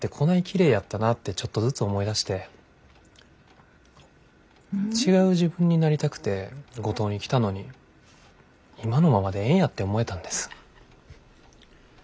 きれいやったなってちょっとずつ思い出して違う自分になりたくて五島に来たのに今のままでええんやって思えたんです。